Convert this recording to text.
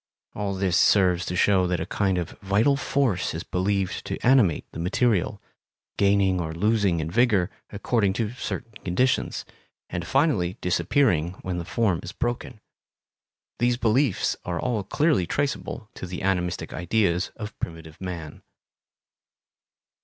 All this serves to show that a kind of vital force is believed to animate the material, gaining or losing in vigor according to certain conditions, and finally disappearing when the form is broken. These beliefs are all clearly traceable to the animistic ideas of primitive man.